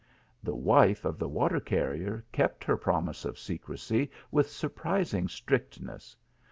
The wife of the water carrier kept her promise of secrecy with surprising strictness.